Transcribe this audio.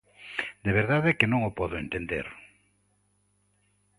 De verdade que non o podo entender.